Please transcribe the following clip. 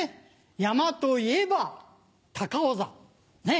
山といえば高尾山ねぇ。